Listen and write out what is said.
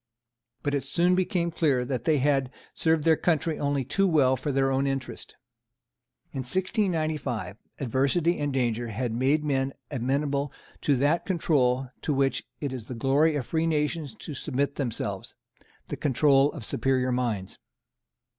But it soon became clear that they had served their country only too well for their own interest. In 1695 adversity and danger had made men amenable to that control to which it is the glory of free nations to submit themselves, the control of superior minds.